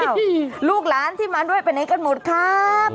ลูกหลานที่มาด้วยไปไหนกันหมดครับ